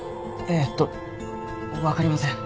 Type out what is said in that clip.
えっとわかりません。